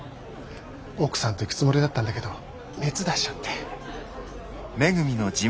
奥さんと行くつもりだったんだけど熱出しちゃって。